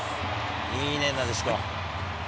いいね、なでしこ。